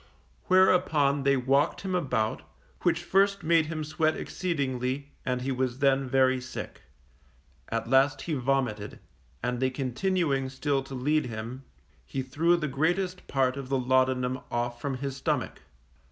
Whereupon they walked him about, which first made him sweat exceedingly, and he was then very sick. At last he vomited, and they continuing still to lead him, he threw the greatest part of the laudanum off from his stomach.